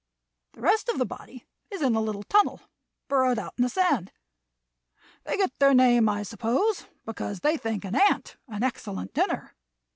The rest of the body is in a little tunnel burrowed out in the sand. They get their name, I suppose, because they think an ant an excellent dinner.